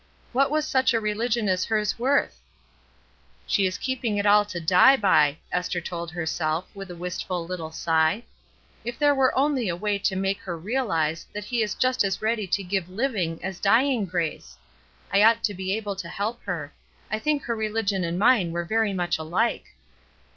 What was such a religion as hers worth? "She is keepmg it all to die by," Esther told herself, with a wistful little sigh. "K there were only a way to make her realize that He is just as ready to give living as dying grace ! I ought to be able to help her; I think her religion and mine were very much alike."